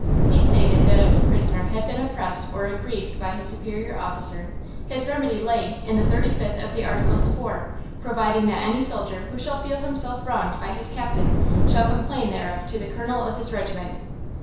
He stated that if the prisoner had been oppressed or aggrieved by his superior officer, his remedy lay in the 35th of the Articles of War, providing that any soldier who shall feel himself wronged by his captain shall complain thereof to the Colonel of his Regiment.